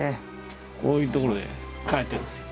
こういう所で描いてるんですよ。